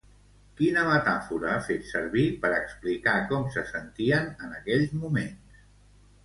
Quina metàfora ha fet servir per explicar com se sentien en aquells moments?